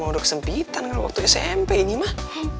udah kesempitan kan waktu smp ini mah